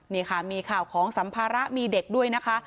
นี่ค่ะมีข่าวของสัมภาระมีเด็กด้วยนะคะ